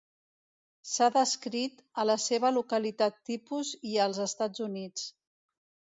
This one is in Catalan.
S'ha descrit a la seva localitat tipus i als Estats Units.